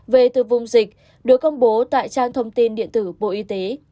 về từ vùng dịch được công bố tại trang thông tin điện tử bộ y tế